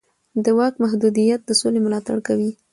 د واک محدودیت د سولې ملاتړ کوي